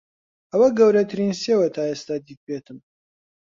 ئەوە گەورەترین سێوە تا ئێستا دیتبێتم.